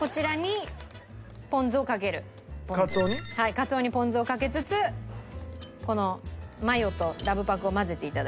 カツオにポン酢をかけつつこのマヨとラブパクを混ぜていただいて。